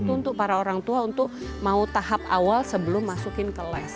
itu untuk para orang tua untuk mau tahap awal sebelum masukin ke les